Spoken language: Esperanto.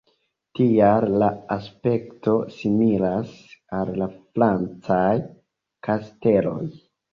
Tial la aspekto similas al la francaj kasteloj.